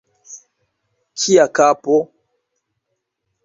Kia kapo!